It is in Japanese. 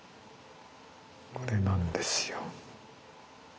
これなんですよ。